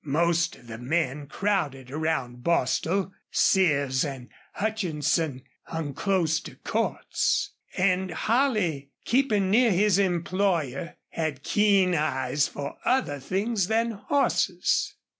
Most of the men crowded around Bostil. Sears and Hutchinson hung close to Cordts. And Holley, keeping near his employer, had keen eyes for other things than horses.